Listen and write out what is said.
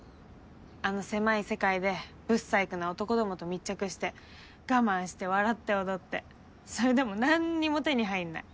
あの狭い世界でぶっさいくな男どもと密着して我慢して笑って踊ってそれでもなんにも手に入んない。